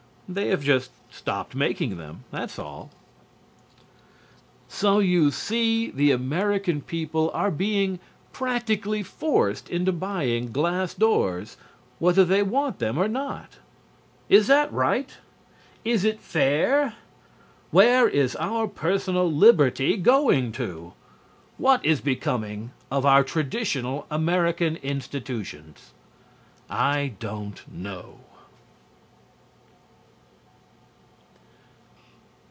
They have just stopped making them, that's all." So you see the American people are being practically forced into buying glass doors whether they want them or not. Is that right? Is it fair? Where is our personal liberty going to? What is becoming of our traditional American institutions? I don't know.